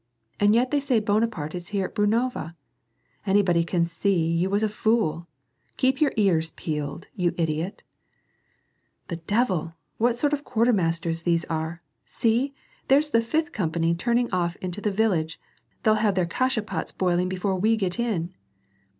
And yet they say Bunaparte is here at Brunova! Anybody could see you was a fool I Keep 3'our ears peeled, you idiot !"" The devil ! what sort of quartermasters these are ! see ! there's the fifth company turning off into the village ; they'll have their kasha pots l)oiling before we get in."